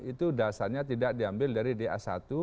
itu dasarnya tidak diambil dari da satu